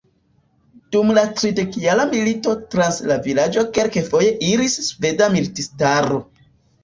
Dum la Tridekjara milito trans la vilaĝo kelkfoje iris sveda militistaro.